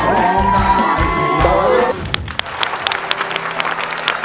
ร้อยละ๒๐๐๐๐บาท